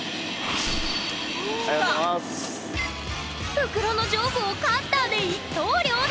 袋の上部をカッターで一刀両断！